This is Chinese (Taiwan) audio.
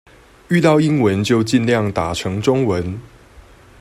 遇到英文就儘量打成中文